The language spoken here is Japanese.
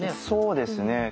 そうですね。